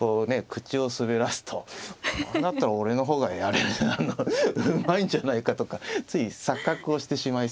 口を滑らすと「なんだったら俺の方がうまいんじゃないか」とかつい錯覚をしてしまいそうですけどね。